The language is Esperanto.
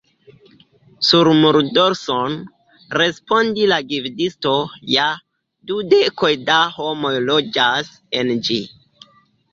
Sur muldorson! respondis la gvidisto, Ja, du dekoj da homoj loĝas en ĝi.